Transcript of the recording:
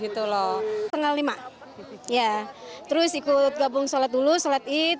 terus ikut gabung sholat dulu sholat id